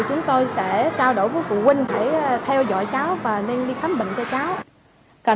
chúng tôi sẽ trao đổi với phụ huynh để theo dõi cháu và nên đi khám bệnh cho cháu